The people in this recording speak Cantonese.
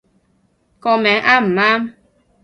個名啱唔啱